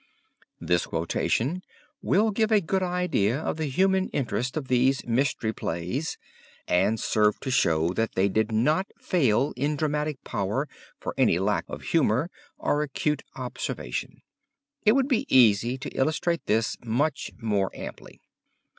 This quotation will give a good idea of the human interest of these Mystery Plays and serve to show that they did not fail in dramatic power for any lack of humor or acute observation. It would be easy to illustrate this much more amply.